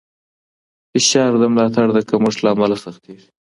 فشار د ملاتړ د کمښت له امله سختېږي.